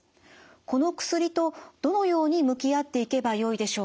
この薬とどのように向き合っていけばよいでしょうか？